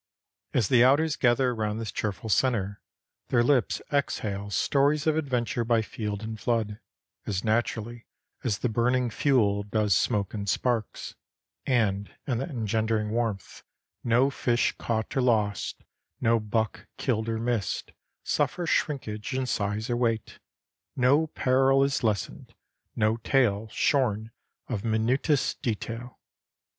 As the outers gather around this cheerful centre their lips exhale stories of adventure by field and flood, as naturally as the burning fuel does smoke and sparks, and in that engendering warmth, no fish caught or lost, no buck killed or missed, suffers shrinkage in size or weight, no peril is lessened, no tale shorn of minutest detail.